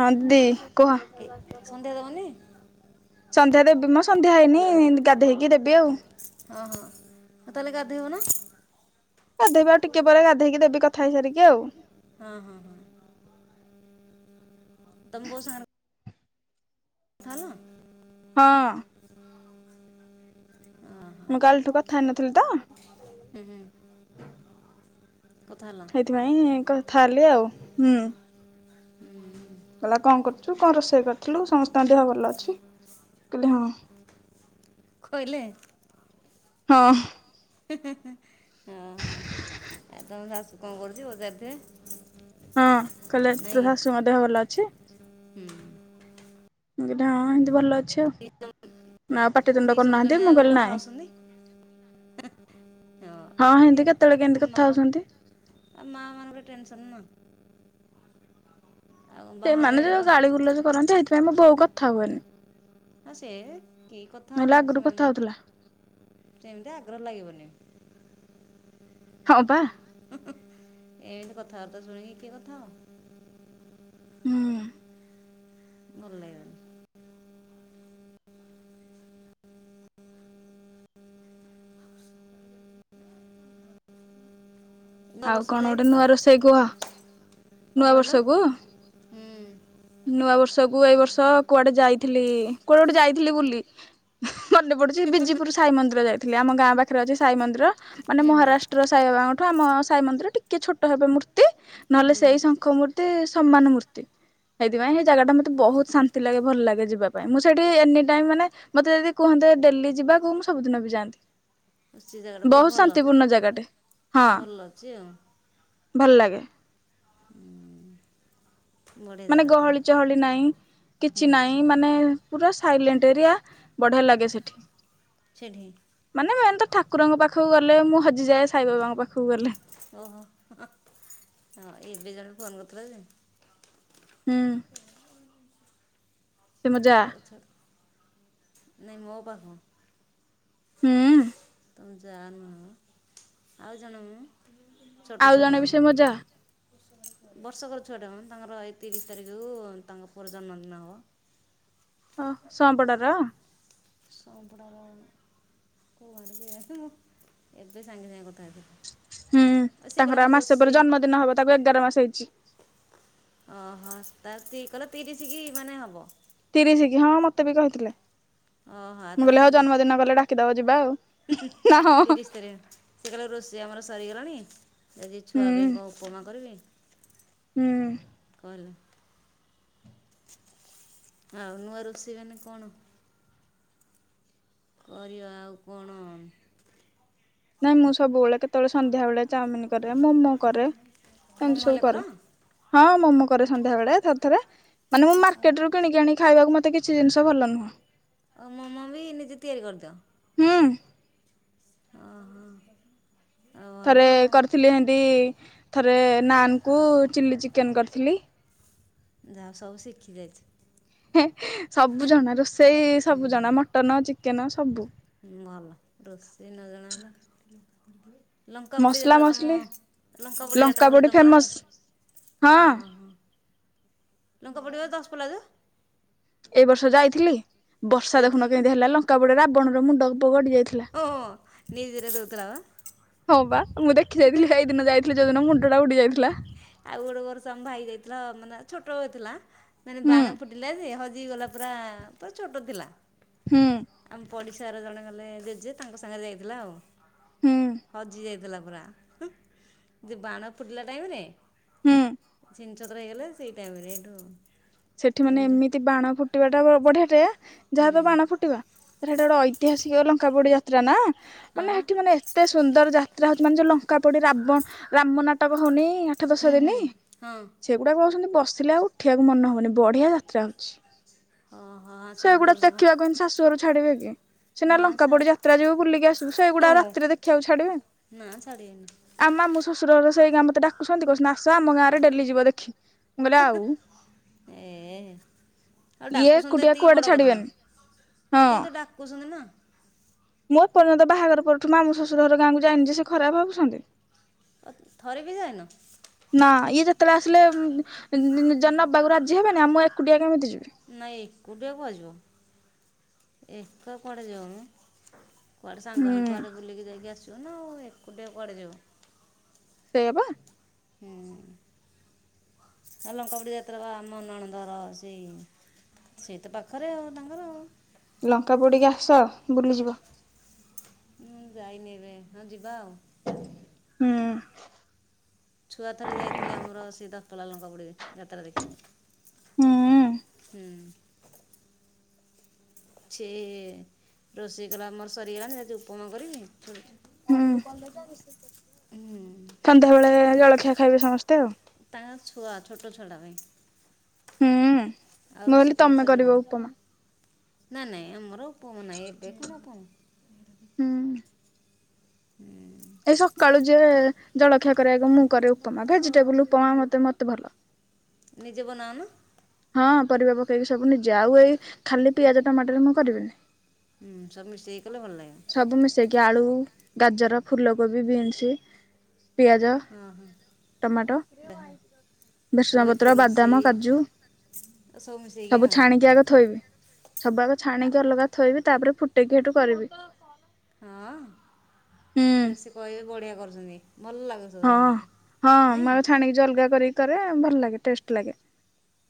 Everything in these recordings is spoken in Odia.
ହଁ ଦିଦି କୁହ। ଏ ସନ୍ଧ୍ୟା ଦେବନି ସନ୍ଧ୍ୟା ଦେବି ମ ସନ୍ଧ୍ୟା ହେଇନି ଗାଧେଇକି ଦେବି ଆଉ। ହଁ ହଁ ହୋଉ ତାହେଲେ ଗାଧେଇ ବ ନା? ଗାଧେଇବ ଆଉ ଟିକେ ପରେ ଗାଧେଇକି ଦେବି କଥା ହେଇସାରିକି ଆଉ। ହଁ ହଁ ହଁ ତମେ ବୋଉ ସାଙ୍ଗ ରେ କଥାହବ ହଁ [inaudible] ମୁଁ କାଲିଠୁ କଥା ହେଇ ନଥିଲି ତ। ହୁଁ ହୁଁ କଥା ହେଲ। ହେଇଥିପାଇଁ କଥା ହେଲି ଆଉ ହୁଁ। ହୁଁ କହିଲା କଣ କରୁଛୁ କଣ ରୋଷେଇ କରିଥିଲୁ ସମସ୍ତଙ୍କ ଦେହ ଭଲ ଅଛି କହିଲି ହଁ। କହିଲେ। ହଁ ହେଁ ହେଁ ହଁ ହ ଆ ତମ ଶାଶୁ କଣ କରୁଛି ପଚାରୁ ଥିବେ? ହଁ, କଇଲେ ତୋ ଶାଶୁଙ୍କ ଦେହ ଭଲ ଅଛି? ହୁଁ। ମୁଁ ହଁ ହଁ ଏମତି ଭଲ ଅ ଛିଇ ଆଉ ନା ଆଉ ପାଟିିତୁଣ୍ଡ ଦୁଇ କରୁନାହାନ୍ତି ସମୁଦଣୀ ମୁଁ ଯାକ କହିଲ କଥା ନାଇ। ହେଉଛନ୍ତି ଆଉ ହଁ କ'ଣ ହେନ୍ତି କେତେବେଳେ କେନ୍ତି କଥା ହଉଛନ୍ତି। ଆ ମା ମାନଙ୍କର ଟେନ୍ସନ ନା ଆଉ ବାହାରେ ସେମାନେ ର ଯୋଉ ଗାଳିଗୁଲଜ କରନ୍ତି ହେଇଥିପାଇଁ ମୋ ବୋଉ କଥା ହୁଏନି। ଆ ସେ କି କଥା ନହେଲେ ହବ ଆଗରୁ କଥା ହଉଥିଲା ସେମାନଙ୍କୁ ସେମିତି ଆଗ୍ରହ ଲାଗିବନି। ହଁ ପା। ଏମିତି କଥାବାର୍ତ୍ତା ଶୁଣିକି କିଏ କଥାହବ। ହୁଁ ଭଲଲାଗିବନି। [inaudible] ନୂଆ ଆଉ ବର୍ଷକୁ କଣ ଗୋଟେ ନୂଆ ଯାଇଥିଲ ରୋଷେଇ କୁହ? କଣ ନୂଆ କହିଲ ବର୍ଷ କୁ ହୁଁ ନୂଆ ବର୍ଷକୁ ଏଇ ବର୍ଷ କୁଆଡେ ଯାଇଥିଲି କୁଆଡେ ଗୋଟେ ଯାଇଥିଲି ବୁଲି ମନେ ପଡୁଚିକି ବିଜିପୁର ସାଇ ମନ୍ଦିର ଯାଇଥିଲି ଆମ ଗାଁ ପାଖରେ ଅଛି ସାଇ ମନ୍ଦିର। ମାନେ ହୁଁ ହୁଁ ମହାରାଷ୍ଟ୍ର ସାଇବାବାଙ୍କଠୁ ଆମ ସାଇ ମନ୍ଦିର ଟିକେ ଛୋଟ ହେବ ମୂର୍ତ୍ତି ନହେଲେ ସେ ସେଇ ହୁଁ ଶଙ୍ଖ ମୂର୍ତ୍ତି ସମ୍ମାନ ମୂର୍ତ୍ତି। ସେଇଥିପାଇଁ ହେଇ ଜାଗାଟା ମତେ ବହୁତ ଶାନ୍ତି ଲାଗେ ଭଲ ଲାଗେ ଯିବା ପାଇଁ ମୁଁ ସେଇଠି ଏନି ଟାଇମ ମାନେ ମତେ ଯଦି କୁହନ୍ତେ ଡେଲି ଯିବା କୁ ମୁଁ ସବୁଦିନ ବି ଯାନ୍ତି। ସେ ଜାଗାଟା ବହୁତ ଭଲ ଶାନ୍ତିପୂର୍ଣ୍ଣ ଜାଗାଟେ ହଁ ଭଲ ଅଛି ଆଉ ଭଲ ଲାଗେ। ହୁଁ ମାନେ ଗହଳି ଚହଳି ନାଇ କିଛି ହୁଁ ନାଇ ମାନେ ପୁରା ସାଇଲେଣ୍ଟ ଏରିଆ ବଢ଼ିଆ ଲାଗେ ସେଠି। ସେଠି? ମାନେ ମେନ୍ ତ ଠାକୁରଙ୍କ ପାଖକୁ ଗଲେ ମୁଁ ହଜିଯାଏ ସାଇବାବାଙ୍କ ପାଖକୁ ଗଲେ। ଓହୋ ଏବେ ଜଣ ଫୋନ କରିଥିଲା ଯେ ହୁଁ ସେ ମୋ ଯା [unintelligible] ନାଇଁ ମୋ ପାଖ ହୁଁ ତମ ଜା ନୁହେଁ ମ ଆଉ ଜଣେ ମ ଆଉ ଛୋଟ ଛୁଆଟା ଜଣେ ବି ସେ ମୋ ଯା ତାଙ୍କ ବର୍ଷକର ଛୁଆଟା କ ତାଙ୍କର ଏଇ ତିରିଶ ତାରିଖକୁ ତାଙ୍କ ପୁଅର ଜନ୍ମଦିନ ହବ। ଓ ସଅଁପଡ଼ାର ସଅଁପଡ଼ାର କୋଉ [unintelligible] ମୁଁ ଏବେ ସାଙ୍ଗେ ସାଙ୍ଗେ କଥା ହେବେ। ହୁଁ, ତାଙ୍କର ଆ, ମାସ ପରେ ଜନ୍ମଦିନ ହବ ତାକୁ ଏଗାର ମାସ ହେଇଛି। ଓହୋ, ତାର ତି କଲ ତିରିଶି କି ମାନେ ହବ। ତିରିଶି କି ହଁ ମୋତେ ବି କହିଥିଲେ। ଓହୋ ଆଉ ମୁଁ କହିଲି ତାହେଲେ ହଉ ଜନ୍ମଦିନ କଲେ ଡାକିଦବ ଯିବା ଆଉ ନା ହଁ, ହଁ। ତେରେ ସେ କହିଲା ରୋଷେଇ ଆମର ସରିଗଲାଣି ଯଦି ହୁଁ ଛୁଆ ପାଇଁ କ ଉପମା କରିବି। ହୁଁ। କହିଲ ଆଉ ନୂଆ ରୋଷେଇ ମାନେ କଣ? କରିବା ଆଉ କଣ? ନାଇଁ ମୁଁ ସବୁବେଳେ କେତେବେଳେ ସନ୍ଧ୍ୟାବେଳେ ଚାଉମିିନ କରେ, ମୋମୋ କରେ ମୋମୋ ଏମିତି ହେଲେ ସବୁ କର କରେ। ହଁ ମୋମୋ କରେ ସନ୍ଧ୍ୟା ବେଳେ ଥରେ ଥରେ। ମାନେ ମୁଁ ମାର୍କେଟ୍ ରୁ କିଣିକି ଆଣି ଖାଇବାକୁ ମୋତେ କିଛି ଜିନିଷ ଭଲ ନୁହଁ। ଓ ମୋମ ବି ନିଜେ ତିଆରି କରିଦିଅ? ହୁଁ। ଓ, ହଁ। ଥରେ କରିଥିଲି ଏମତି ଥରେ ନାନ୍ କୁ ଚିଲ୍ଲି ଚିକେନ୍ କରିଥିଲି। ଯା ହଉ ସବୁ ଶିଖି ଯାଇଛ। ହେ ସବୁ ଜଣା ରୋଷେଇ ସବୁ ଜଣା ମଟନ୍, ଚିକେନ୍ ସବୁ। ହୁଁ, ଭଲ ରୋଷେଇ ନ ଜଣାହେଲେ ଲଙ୍କା ପୁଡ଼ି ମସଲା ଯାତ୍ରା ତୋମ ମସଲି ଲଙ୍କା ପୁଡ଼ି ଯାତ୍ରା ହୁଏ ପୋଡି ତୋମ ଗାଁ ରେ? ଫେମସ ହଁ, ହଁ ଲଙ୍କା ପଡିବ ଦଶ ପିଲା ଯେ ଏଇ ବର୍ଷ ଯାଇଥିଲି ବର୍ଷା ଯାଇଥିଲ ଦେଖୁନ ନା କେମିତି ହେଲା ଲଙ୍କା ପୋଡ଼ି ରାବଣର ମୁଣ୍ଡ ବ-ଗଡି ଯାଇଥିଲା। ଓ ହୋ ହୋ ନ୍ୟୁଜ୍ ରେ ଦଉଥିଲା ବା। ହଁ ବା ମୁଁ ଦେଖି ଯାଇଥିଲି ସେଇ ଦିନ ଯାଇଥିଲି ଯୋଉଦିନ ମୁଣ୍ଡ ଟା ଉଡି ଯାଇଥିଲା। ଆଉ ଗୋଟେ ବର୍ଷ ଆମ ଭାଇ ଯାଇଥିଲା ଅ, ମାନେ ଛୋଟ ହେଇଥିଲା। ମାନେ ହୁଁ ବାଣ ଫୁଟ ଲା ଯେ ହଜିଗଲା ପୁରା ପୁରା ଛୋଟ ଥିଲା। ହୁଁ। ଆମ ପଡ଼ିଶାର ଜଣେ ଗଲେ ଜେଜେ ତାଙ୍କ ସାଙ୍ଗରେ ଯାଇଥିଲା ଆଉ। ହୁଁ ହଜି ଯାଇଥିଲା ପୁରା, ଯୋଉ ବାଣ ଫୁଟିଲା ଟାଇମ୍ ରେ। ହୁଁ। ଛିନଚତ୍ର ହେଇଗଲେ। ସେଇ ଟାଇମ୍ ରେ ଏଠୁ ସେଠି ମାନେ ଏମିତି ବାଣ ଫୁଟିବା ଟା ବ-ବଢିଆ ଟେ ଯାହା ହୁଁ ତ ବାଣ ଫୁଟିବା। ତ ସେଟା ଗୋଟେ ଐତିହାସିକ ଲଙ୍କାପୋଡି ଯାତ୍ରା ନା। ହଁ ମାନେ ବା ସେଠି ମାନେ ଏତେ ସୁନ୍ଦର ଯାତ୍ରା ହଉଚି ମାନେ ଯୋଉ ଲଙ୍କା ପଡି ରାବଣ ରାମ ନାଟକ ହଉନି। ଆ ଆଠ ଦଶ ହୁଁ ହୁଁ ଦିନି ହଁ ସେଗୁଡାକ କହୁଛନ୍ତି ବସିଲେ ଆଉ ଉଠିବାକୁ ମନ ହବନି ବଢିଆ ଯାତ୍ରା ହଉଛି। ଓହୋ ହଁ ସବୁ ସେଗୁଡା ବର୍ଷ ଦେଖିବାକୁ ହେନେ ଶାଶୁଘରୁ ଛାଡିବେ କି? ସିନା ନା ଲଙ୍କା ଛା ପୋଡି ଯାତ୍ରା ଯିବୁ ବୁଲିକି ଆସିବୁ। ସେଇଗୁଡା ହଁ ରାତିରେ ଦେଖିବାକୁ ଛାଡିବେ। ନା ଛାଡ଼ିବେନି। ଆମ ମାମୁଁ ଶଶୁରଘର ସେଇ ଗାଁ ମୋତେ ଡାକୁଛନ୍ତି, କହୁଛନ୍ତି ଆସ ଆମ ଗାଁ ରେ ଡେଲି ଯିବ ଦେଖି। ମୁଁ କହିଲି ଆଉ ଏ ଆଉ ଇଏ ଡାକୁଛନ୍ତି ତ ଏକୁଟିଆ ଏତିକି କୁଆଡେ ବଡ କଥା। ଛାଡିବେନି ହଁ ଏତିକି ତ ଡାକୁଛନ୍ତି ନା। ମୁଁ ଏ ପର୍ଯ୍ୟନ୍ତ ବାହାଘର ପରଠୁ ମାମୁଁ ଶ୍ୱଶୁର ଘର ଗାଁକୁ ଯାଇନି ଯେ ସେ ଖରାପ ଭାବୁସନ୍ତି। ଅ, ଥରେ ବି ଯାଇନ? ନା ଇଏ ଯେତେବେଳେ ଆସିଲେ ଉଁ, ନି-ନିଜେ ନବାକୁ ରାଜି ହେବନି। ଆ, ମୁଁ ଏକୁଟିଆ କେମିତି ଯିବି। ନାଇଁ ଏକୁଟିଆ କୁଆ ଯିବ। ଏକା କୁଆଡ଼େ ଯାଉନୁ। କୁଆଡ଼େ ସାଙ୍ଗ ହେଇ ହୁଁ କୁଆଡ଼େ ବୁଲିକି ଯାଇକି ଆସ ସିବୁ ନା ଆଉ ଏକୁଟିଆ କୁଆଡେ ଯିବୁ। ସେୟା ପା। ହୁଁ ଆଉ ଲଙ୍କା ପୁଡି଼ ଯାତ୍ରା ବା ଆମ ନଣନ୍ଦଘର ସେଇ ସେଇ ତ ପାଖରେ ଆଉ ତାଙ୍କର। ଲଙ୍କା ପୁଡି଼ କି ଆସ ବୁଲିଯିବ। ମୁଁ ଯାଇନି ଏବେ ହଁ ଯିବା ଆଉ। ହୁଁ। ଛୁଆ ଥରେ ଯାଇଥିଲେ ଆମର ସେ ଦଶପଲ୍ଲା ଲଙ୍କା ପୁଡ଼ି କି ଯାତ୍ରା ଦେଖିବାକୁ। ହୁଁ ହୁଁ। ସେ ରୋଷେଇ କଲା ମୋର ସରିଗଲାଣି ଯାଉଚି ଉପମା କରିବି। ହୁଁ ସନ୍ଧ୍ୟା ବେଳେ ଜଳଖିଆ ଖାଇବେ ସମସ୍ତେ ଆଉ। ତାଙ୍କର ଛୁଆ ଛୋଟ ଛୁଆ [unintelligible] ହୁଁ ଆଉ ମୁଁ କହିଲି ରୋଷେଇ ତାଙ୍କର ତମେ କରିବ ଉପମା। ସରିଗଲାଣି। ନା ନାଇଁ ଆମର ଉପମା ନାହିଁ ଏବେ କଣ ଉପମା। ହୁଁ ହୁଁ। ହୁଁ। ଏଇ ସକାଳୁ ଯିଏ ଜଳଖିଆ କରିବାକୁ ମୁଁ କରେ ଉପମା ଭେଜିଟେବୁଲ୍ ଉପମା ମତେ ମତେ ଭଲ।। ନିଜେ ବନାଅ ନା? ହଁ ପରିବା ପକେଇକି ସବୁ ନିଜେ ଆଉ ଏଇ ଖାଲି ପିଆଜ ଟମାଟର ମୁଁ କରିବିନି। ହୁଁ ସବୁ ମିଶେଇକି କଲେ ଭଲ ଲାଗିବ। ସବୁ ମିଶେଇକି ଆଳୁ, ଗାଜର, ଫୁଲକୋବି, ବିନ୍ସ୍ ପିଆଜ, ହଁ ହଁ ଟମାଟୋ। ଯାହା ସବୁ ଭେର୍ସୁଙ୍ଖା ପତ୍ର, ଏତିକି ବାଦାମ, ରୋଷେଇ କାଜୁ, ମିଶେଇକି ସବୁ ଆଉ ଛାଣିକି ଆଗ ଥୋଇବି। ସବୁ ଆଗ ଛାଣିକି ଅଲଗା ଥୋଇବି ତାପରେ ଫୁଟେଇକି ହେଟୁ କରିବି। ହଁ ହୁଁ ବେଶୀ [unintelligible] ବଢ଼ିଆ କରୁଛନ୍ତି ଭଲ ଲାଗୁ ହଁ ହଁ ମୁଁ ଆଗ ଛାଣିକି ଯୋଉ ଅଲଗା କରିକି କରେ ଭଲ ଲାଗେ ଟେଷ୍ଟ୍ ଲାଗେ।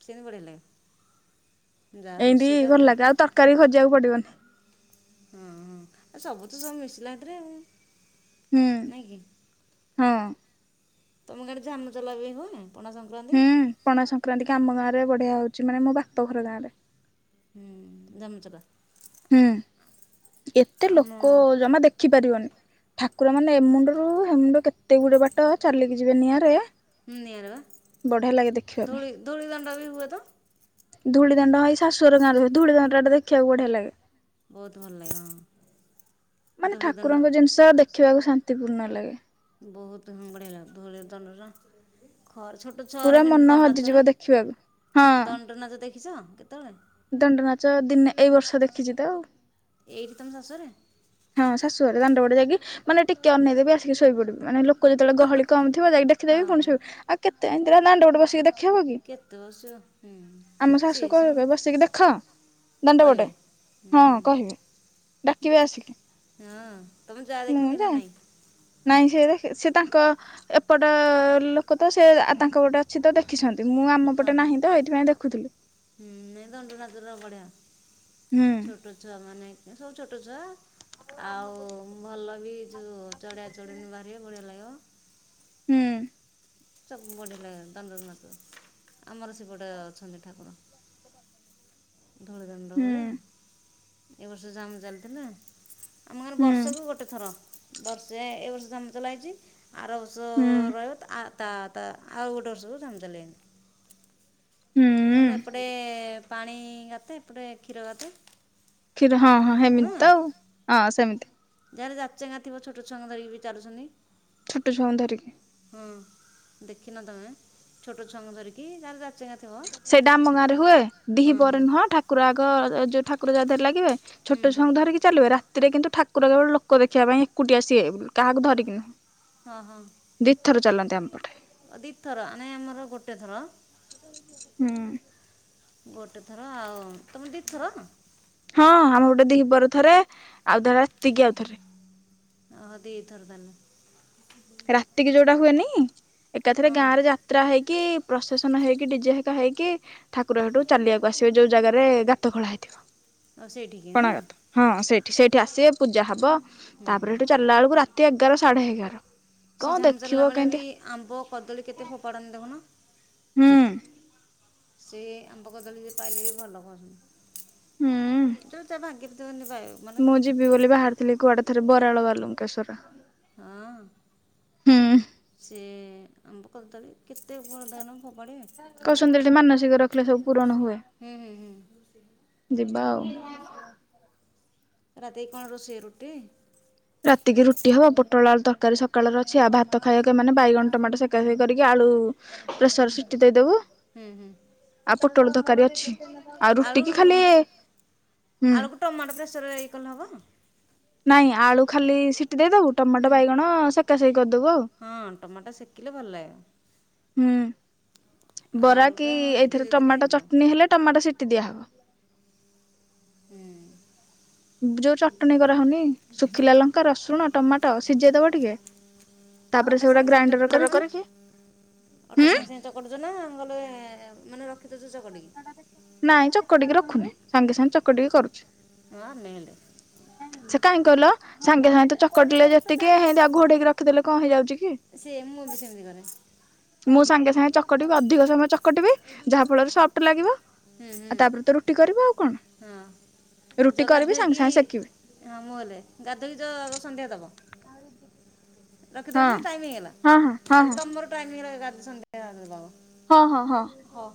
ସେମିତି ବଢ଼ିଆ ଲାଗେ ଯାହା ଏମିତି ରୋଷେଇଟା ଭଲ ଲାଗେ ଆଉ ତରକାରୀ ଖୋଜିବାକୁ ପଡ଼ିବନି। ହୁଁ ହୁଁ ଆଉ ସବୁ ତ ସବୁ ମିଶିଲା ହେଥିରେ ଆଉ। ହୁଁ ନାଇଁ କି ହଁ। ତମ ଗାଁ ରେ ଝାମୁ ଚଲା [unintelligible] ପଣା ସଂକ୍ରାନ୍ତି ହୁଁ ପଣା ସଂକ୍ରାନ୍ତି କି ଆମ ଗାଁରେ ବଢ଼ିଆ ହଉଛି ମାନେ ମୋ ବାପ ଘର ଗାଁରେ। ହୁଁ ଝାମୁ ଚଲା। ହୁଁ ଏତେ ଲୋକ ଆମ ଜମା ଦେ ଦେଖିପାରିବନି ଠାକୁର ମାନେ ଏ ମୁଣ୍ଡୁରୁ ହେମୁଣ୍ଡ କେତେ ଗୁଡି଼ଏ ବାଟ ଚାଲିକି ଯିବେ ନିଆଁରେ ହୁଁ ନିଆଁ ରେ ବଢିଆ ଲାଗେ ବା ଦେଖିବା ଧୂଳି ଧୂଳି ଦଣ୍ଡ ବି ହୁଏ ତ। ଧୂଳି ଦଣ୍ଡ ଏଇ ଶାଶୁ ଘର ଗାଁରେ ହୁଏ ଧୂଳି ଦଣ୍ଡ ଟା ଦେଖିବାକୁ ବଢ଼ିଆ ଲାଗେ। ବହୁତ ଭଲ ଲାଗେ ହଁ ମାନେ ଧୂଳି ଦଣ୍ଡ ଠାକୁରଙ୍କ ଜିନିଷ ଦେଖିବାକୁ ଶାନ୍ତିପୂର୍ଣ୍ଣ ଲାଗେ‌ ବହୁତ୍ ବଢ଼ିଆ ଲାଗେ ଧୂଳି ଦଣ୍ଡ ଖର୍ ଛୋଟ ଛୁଆ ପୁରା ଉରା ବି ମନ ଦଣ୍ଡ ହଜିଯିବ ନାଚରେ ଦେଖିବାକୁ। ଦଣ୍ଡ ନାଚ ଦେ ଦେଖିଛ କେତେବେଳେ? ଦଣ୍ଡନାଚ ଦିନେ ଏଇ ବର୍ଷ ଦେଖିଛି ତ। ଏଇଠି ତମ ଶାଶୁ ଘରେ। ହଁ ଶାଶୁ ଘରେ ଦାଣ୍ଡ ପଟେ ଯାଇକି ମାନେ ଟିକେ ଅନେଇଦେବି ଆସିକି ଶୋଇପଡି଼ବି ମାନେ ଲୋ ଲୋକ ଯେତେବେଳେ ଗହଳି କମଥିବ ଯାଇକି ହଁ ଦେଖିଦେବି ପୁଣି ଶୋ ଆଉ କେତ ଏରା ଦାଣ୍ଡ ପଟେ ବସିକି ଦେ ଦେଖିହବ କି କେତେ ବର୍ଷ ହୁଁ ଆମ ଶାଶୁ ସିଏ ସିନା କହିବେ ବସିକି ଦେଖ। ଦାଣ୍ଡ ପଟେ କହିବେ ହଁ ହୁଁ କହିବେ ଡା଼କିବେ ଆସ। ହଁ। ତମ ଯାଆ ମୁଁ ଦେଖନ୍ତି ନା ଯାଏ ନାଇଁ ନାଇଁ ସେ ଦେଖିବେ ସେ ତାଙ୍କ ଏପଟ ଲୋକ ତ ସେ ତାଙ୍କ ପଟେ ଅଛି ତ ଦେ ଦେଖିଛନ୍ତି ମୁଁ ଆମ ହଁ ପଟେ ହଁ ନାହିଁ ତ ଏଇଥିପାଇଁ ଦେଖୁଥିଲି। ହୁଁ ନାଇଁ ଦଣ୍ଡ ନାଚଟା ବଢ଼ିଆ ହୁଁ। ଛୋଟ ଛୁଆ ମାନେ ସବୁ ଛୋଟ ଛୁଆ ଆଉ ଭଲ ବି କୁ ଚଢଆ ଚଢନ ଭାରି ବଢଆ ଲାଗିବ। ହୁଁ। ସବୁ ବଢିଲା ଦଣ୍ଡନାଚ ଆମର ସେପଟେ ଅଛନ୍ତି ଠାକୁର। [inaudible] ଧୂଳି ଦାଣ୍ଡ ହୁଁ ହୁଏ, ଏ ବର୍ଷ ଝାମୁ ଚାଲିଥିଲା। ଆମ ଗାଁରେ ହୁଁ ବର୍ଷକୁ ଗୋଟେ ଥର, ବର୍ଷେ ଏ ବର୍ଷ ଝାମୁ ଚଲା ହେଇଛି। ଆର ବର୍ଷ ହୁଁ ରହିବ ତା ତା ଆଉ ଗୋଟେ ବର୍ଷକୁ ଝାମୁ ଚାଲେଇନି। ହୁଁ ଯୋଉନ ଏପଟେ ପାଣି ଗାତେ ଏପଟେ କ୍ଷୀର ଗାତେ। କ୍ଷୀର ହଁ ହଁ ନା ହେମିତି ତ ଆଉ ହଁ ସେମିତି। ଯାହାର ଯାଚେଙ୍ଗା ଥିବ ଛୋଟ ଛୁଆଙ୍କୁ ବି ଧରି ଚାୁଲୁଛନ୍ତି। ଛୋଟ ଛୁଆଙ୍କୁ ଧରିକି। ହଁ ଦେଖିନ ତମେ ଛୋଟ ଛୁଆଙ୍କୁ ଧରିକି ଯାହାର ଯା ସେ ଟା ଆମ ଗାଁରେ ହୁଏ, ହଁ ହଁ ଦିପହରେ ହୁଁ, ନୁହଁ ଠାକୁର ଆଗ ଯୋଉ ଠାକୁର ଯା ଦେହରେ ଲାଗିବେ। ହୁଁ, ଛୋଟ ଛୁଆଙ୍କୁ ଧରିକି ଚାଲିବେ ରାତିରେ କିନ୍ତୁ ଠାକୁର କେବଳ ଲୋକ ଦେଖିବା ପାଇଁ ଏକୁଟିଆ ଆସିବେ କାହାକୁ ଧରିକିନି। ହଁ ହଁ। ଦି ଥର ଚାଲନ୍ତି ଆମପଟେ। ଦି ଥର ନାଇଁ ଆମର ଗୋଟେ ଥର। ହୁଁ ଗୋଟେ ଥର ଆଉ ତମେ ଦି। ହଁ ଆମେ ପଟେ ଦିପହରେ ଥରେ ଆଉ ଟା ରାତିକି ଆଉ ଥରେ। ଓହୋ ଦି ଥର ତାନେ। ରାତି କିି ଯୋଉଟା ହୁଏନି ଏକାଥରେ ହଁ ଗାଁ ରେ ଯା ଯାତ୍ରା ହେଇକି ପ୍ରସେସନ ହେଇକି ଡିଜେ ହେଇକା ହେଇକି ଠାକୁର ସେଠୁ ଚାଲିବାକୁ ଆସିବେ ଯୋଉ ଜାଗାରେ ଗାତ ଖୋଳା ହେଇଥିବ। ଆଉ ସେଇଠିକି ହଁ କଣା ଗାତ ହଁ ସେଇଠି ସେଇଠି ଆସିବେ ପୂଜା ହବ। ତାପରେ ସେଠୁ ଚାଲିଲା ବେଳକୁ ରାତି ଏଗାର ସାଢେ ଏଗାର। ସିଏ କଣ ଝାମୁ ଦେଖିବ ଚାଲିଲା ବେଳେ ବି କେମିତି ଆମ୍ବ କଦଳୀ କେତେ ଫୋପାଡନ୍ତି ଦେଖୁନ। ହୁଁ। ସେ ଆମ୍ବ କଦଳୀ ଯିଏ ପାଇଲେ ବି ଭଲ ହୁଁ କହୁଚନ୍ତି। ଯୋଉ ତା ଭା [unintelligible] ପାଇବୁ। ମୁଁ ଯିବି ବୋଲି ବାହାରଥିଲି କୁଆଡେ ଥରେ ବରାଳ ବାଲୁଙ୍କେଶ୍ୱର। ହଁ। ସେ ଆମ୍ବ କଦଳୀ କେତେ ବରଦଣ ଫୋପାଡିବେ। କଉଛନ୍ତି ଏଠି ମାନସିକ ରଖିଲେ ସବୁ ପୂରଣ ହୁଏ। ହୁଁ ହୁଁ ହୁଁ ଯିବା ଆଉ ରାତିକି କଣ ରୋଷେଇ ରୁଟି? ରାତିକି ରୁଟି ହବ, ପୋଟଳ ଆଳୁ ତରକାରୀ ସକାଳର ଅଛି। ଆଉ ଭାତ ଖାଇବାକୁ ମାନେ ବାଇଗଣ ଟମାଟୋ ସେକାସେକ କରିକି ଆଳୁ ପ୍ରେସର ସିଟି ଦେଇଦବୁ। ହୁଁ ହୁଁ। ଆଉ ପୋଟଳ ତରକାରୀ ଅଛି, ଆଉ ଆଳୁ ରୁଟି କି ଖାଲି ହୁଁ। ଆଳୁକୁ ଟମାଟୋ ପ୍ରେସରରେ ଇଏ କଲେ ହବ। ନାଇଁ ଆଳୁ ଖାଲି ସିଟି ଦେଇଦବୁ, ହୁଁ ଟମାଟୋ ବାଇଗଣ ସେକାସକି କରିଦବୁ ଆଉ। ହଁ ଟମାଟୋ ସେକିଲେ ଭଲ ଲାଗିବ। ହୁଁ। ବରା ଆଳୁଟା କି ହଁ ସେକି ଏଇଥିରେ ଦେଇଦେଲେ ଟମାଟୋ ହେଇଯିବ। ଚଟନୀ ହେଲେ ଟମାଟୋ ସିଟି ଦିଆହବ। ହୁଁ। ଯୋଉ ଚଟଣି କରାହଉନି ଶୁଖିଲା ଲଙ୍କା ରସୁଣ ଟମାଟୋ ସିଝେଇଦବ ଟିକେ। ତାପରେ ଅଟା ସେଗୁଡା ସଙ୍ଗେ ସଙ୍ଗେ ଗ୍ରାଇଣ୍ଡର ଚକଟି ଦବ। କରିକି ହୁଁ ଚକଟୁଚ ନା ମୁଁ କହିଲି ମାନେ [unintelligible] ନାଇଁ ଚକଟିକି ରଖୁନି ସାଙ୍ଗେ ସାଙ୍ଗେ ଚକଟିକି କରୁଛି। [unintelligible] ସେ କାହିଁ କହିଲ ସାଙ୍ଗେ ସାଙ୍ଗେ ତ ଚକଟିଲେ ଯେତିକି ହେ ଆଉ ଘୋଡ଼େଇକି ରଖିଦେଲେ କଣ ହେଇଯାଉଛି କି ସେ ମୁଁ ବି ସେମିତି କରେ। ମୁଁ ସାଙ୍ଗେ ସାଙ୍ଗେ ଚକଟିବି ଅଧିକ ସମୟ ଚକଟିବି ଯାହା ଫଳରେ ସଫ୍ଟ ଲାଗିବ। ହୁଁ ହୁଁ ଆଉ ତାପରେ ତ ରୁଟି କରିବ ଆଉ ହଁ। କଣ ଯୋଉ ରୁଟି କରିବି ସାଙ୍ଗେ ଗାଧୋଇକି ସାଙ୍ଗେ ସେକିବି। ହଁ ମୁଁହଲେ ଗାଧଉଛ ସନ୍ଧ୍ୟା ଦବ ରଖି ହଁ ଦଉଛି ଟାଇମ ହେଇଗଲା ହଁ ହଁ ହଁ ହଁ ମାନେ ତମର ଟାଇମ ହେଇଗଲା ସନ୍ଧ୍ୟା ଦବ। ହଁ ହଁ ହଁ ହଁ